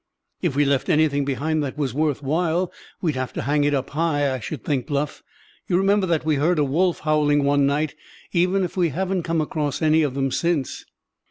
"If we left anything behind that was worthwhile, we'd have to hang it up high, I should think, Bluff. You remember that we heard a wolf howling one night, even if we haven't come across any of them since."